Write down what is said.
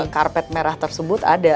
karpet merah tersebut ada